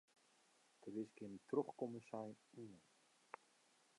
Der is gjin trochkommensein oan.